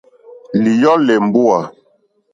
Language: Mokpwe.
Lìjɔ́lɛ̀ mbúà.